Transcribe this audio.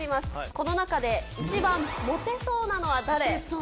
この中で一番モテそうなのは誰？